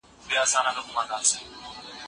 د کار د کیفیت ښه کول د دولت دنده ده.